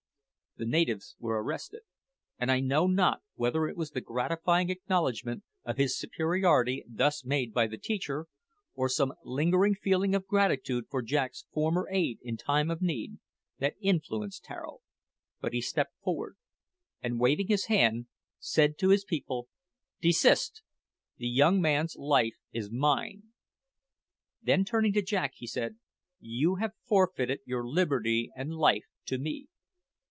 The natives were arrested; and I know not whether it was the gratifying acknowledgment of his superiority thus made by the teacher, or some lingering feeling of gratitude for Jack's former aid in time of need, that influenced Tararo, but he stepped forward, and waving his hand, said to his people, "Desist. The young man's life is mine." Then turning to Jack, he said, "You have forfeited your liberty and life to me.